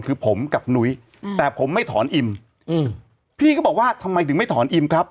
คือผมกับหนุ้ยแต่ผมไม่ถอนอิมอืมพี่ก็บอกว่าทำไมถึงไม่ถอนอิมครับ